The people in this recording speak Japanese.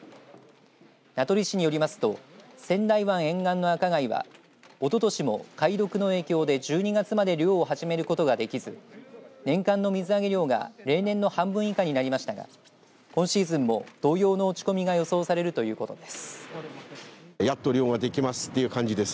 名取市によりますと仙台湾沿岸のアカガイはおととしも貝毒の影響で１２月まで漁を始めることができず年間の水揚げ量が例年の半分以下になりましたが今シーズンも同様の落ち込みが予想されるということです。